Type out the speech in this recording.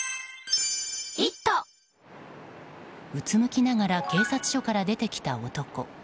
うつむきながら警察署から出てきた男。